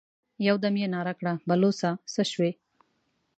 يودم يې ناره کړه: بلوڅه! څه شوې؟